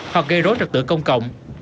hoặc gây rối trật tựa công cộng